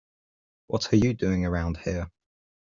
What are you doing around here?